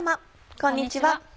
こんにちは。